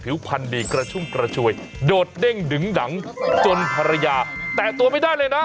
พันดีกระชุ่มกระชวยโดดเด้งดึงหนังจนภรรยาแตะตัวไม่ได้เลยนะ